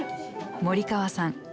森川さん